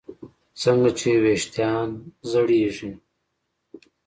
څنګه چې ویښتان زړېږي